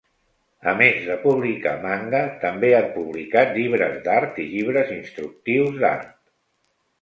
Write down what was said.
A més de publicar manga també han publicat llibres d'art i llibres instructius d'art.